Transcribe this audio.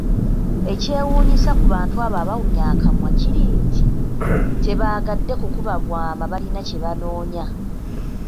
Ekyewuunyisa ku bantu abo abawunya akamwa kiri nti, tebaagadde kukuba bwama balina kye banoonya.